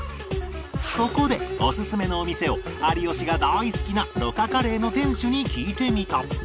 そこでおすすめのお店を有吉が大好きな魯珈カレーの店主に聞いてみた